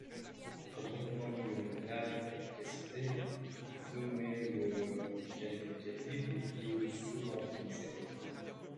Comportement d'une rare efficacité, fut même le qualificatif le plus souvent utilisé.